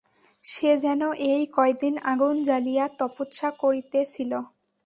সে যেন এই কয়দিন আগুন জ্বালিয়া তপস্যা করিতেছিল।